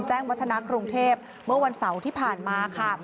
วัฒนากรุงเทพเมื่อวันเสาร์ที่ผ่านมาค่ะ